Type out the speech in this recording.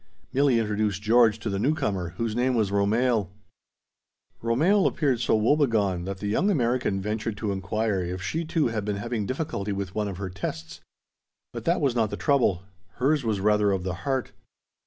Milli introduced George to the newcomer, whose name was Romehl. Romehl appeared so woebegone that the young American ventured to inquire if she too had been having difficulty with one of her tests. But that was not the trouble; hers was rather of the heart.